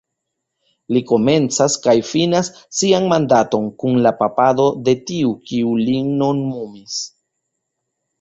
Li komencas kaj finas sian mandaton kun la papado de tiu kiu lin nomumis.